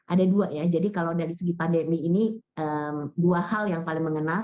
ada dua ya jadi kalau dari segi pandemi ini dua hal yang paling mengenal